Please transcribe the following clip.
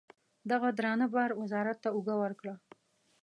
دغه درانه بار وزارت ته اوږه ورکړه.